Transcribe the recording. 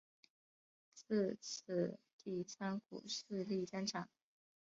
自此第三股势力登场。